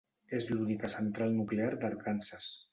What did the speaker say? És l'única central nuclear d'Arkansas.